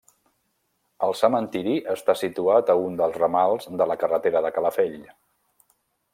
El cementiri està situat a un dels ramals de la carretera de Calafell.